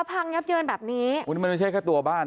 พังยับเยินแบบนี้มันไม่ใช่แค่ตัวบ้านอ่ะ